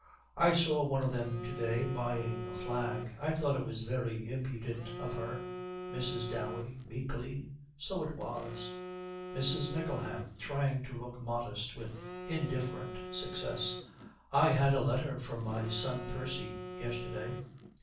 'I saw one of them to day buying a flag. I thought it was very impudent of her.' MRS. DOWEY, meekly, 'So it was.' MRS. MICKLEHAM, trying to look modest with indifferent success, 'I had a letter from my son, Percy, yesterday.'